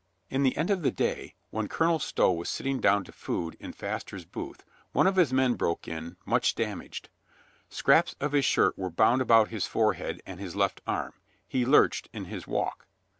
In the end of the day, when Colonel Stow was sitting down to food in Paster's Booth, one of his men broke in, much damaged. Scraps of his shirt were bound about his forehead and his left arm ; he lurched in his walk.